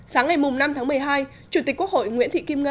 sáng ngày năm tháng một mươi hai chủ tịch quốc hội nguyễn thị kỳ